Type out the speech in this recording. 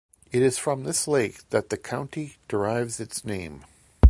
It is from this lake that the county derives its name.